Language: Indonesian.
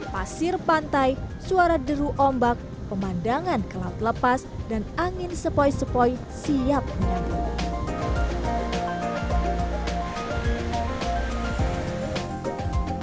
pasir pantai suara deru ombak pemandangan ke laut lepas dan angin sepoi sepoi siap menyambut